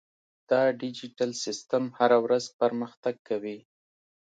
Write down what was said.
دا ډیجیټل سیستم هره ورځ پرمختګ کوي.